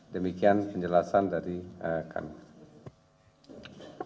demikian penjelasan dari kami